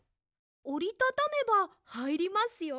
おりたためばはいりますよ。